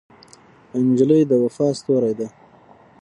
نجلۍ د وفا ستورې ده.